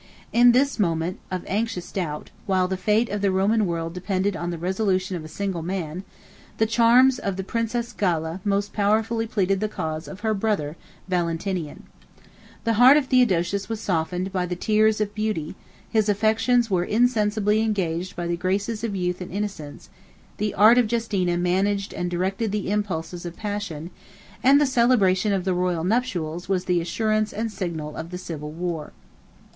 In this moment of anxious doubt, while the fate of the Roman world depended on the resolution of a single man, the charms of the princess Galla most powerfully pleaded the cause of her brother Valentinian. 75 The heart of Theodosius wa softened by the tears of beauty; his affections were insensibly engaged by the graces of youth and innocence: the art of Justina managed and directed the impulse of passion; and the celebration of the royal nuptials was the assurance and signal of the civil war.